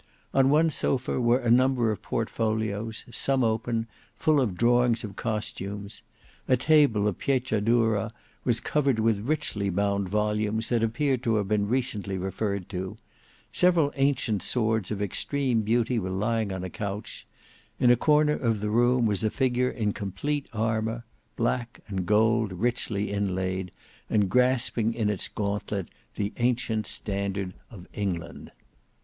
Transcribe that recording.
On one sofa were a number of portfolios, some open, full of drawings of costumes; a table of pietra dura was covered with richly bound volumes that appeared to have been recently referred to; several ancient swords of extreme beauty were lying on a couch; in a corner of the room was a figure in complete armour, black and gold richly inlaid, and grasping in its gauntlet the ancient standard of England.